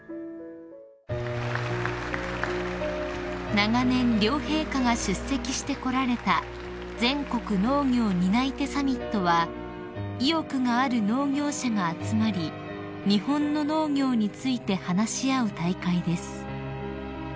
［長年両陛下が出席してこられた全国農業担い手サミットは意欲がある農業者が集まり日本の農業について話し合う大会です］